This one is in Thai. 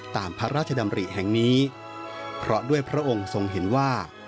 ตามพระราชดำริแห่งนี้เพราะด้วยพระองค์ทรงเห็นว่า